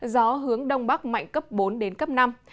gió hướng đông bắc mạnh cấp bốn đến một mươi năm h